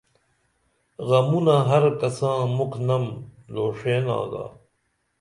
غمونا ہر کساں مُکھ نم لُوݜین آگا